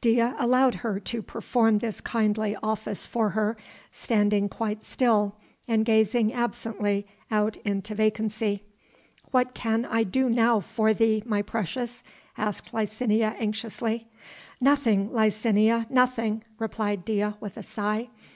Dea allowed her to perform this kindly office for her, standing quite still and gazing absently out into vacancy. "What can I do now for thee, my precious?" asked Licinia anxiously. "Nothing, Licinia, nothing," replied Dea with a sigh.